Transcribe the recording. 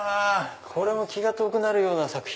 これも気が遠くなるような作品。